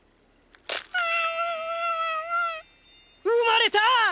生まれた！